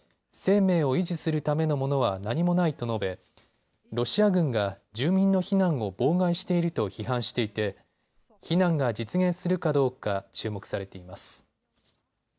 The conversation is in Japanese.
生命を維持するためのものは何もないと述べ、ロシア軍が住民の避難を妨害していると批判していて避難が実現するかどうか注目されています。